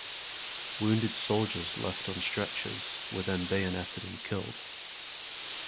Wounded soldiers left on stretchers were then bayoneted and killed.